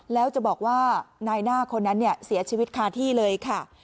แล้วจะบอกว่านายหน้าคนนั้นเนี่ยเสียชีวิตคาที่เลยค่ะ